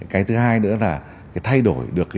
cái thứ hai nữa là thay đổi được